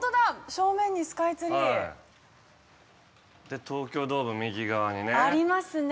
正面にスカイツリー。で東京ドーム右側にね。ありますね。